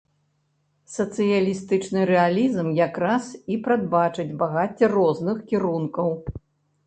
Сацыялістычны рэалізм якраз і прадбачыць багацце розных кірункаў.